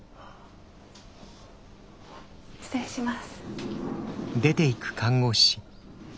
失礼します。